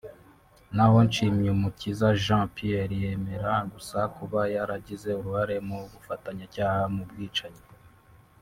na ho Nshimyumukiza Jean Pierre yemera gusa kuba yaragize uruhare mu bufatanyacyaha mu bwicanyi